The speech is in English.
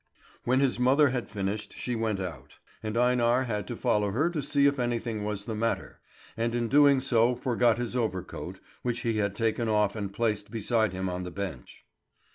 When his mother had finished, she went out: and Einar had to follow her to see if anything was the matter, and in doing so forgot his overcoat, which he had taken off and placed beside him on the bench.